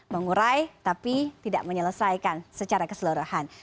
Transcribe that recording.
mengurai tapi tidak menyelesaikan secara keseluruhan